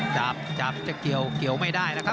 จับจับจะเกี่ยวไม่ได้นะครับ